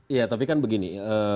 ya tapi kan begini